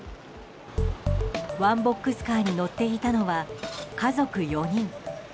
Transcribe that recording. ワンボックスカーに乗っていたのは家族４人。